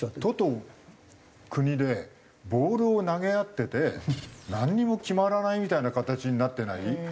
都と国でボールを投げ合っててなんにも決まらないみたいな形になってない？